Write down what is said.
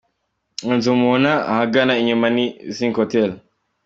Inzu mubona ahagana inyuma ni Zink Hotel.